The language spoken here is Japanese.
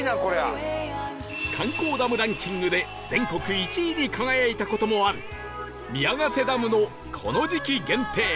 観光ダムランキングで全国１位に輝いた事もある宮ヶ瀬ダムのこの時期限定